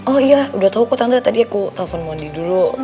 oh iya udah tau kok tante tadi aku telpon mondi dulu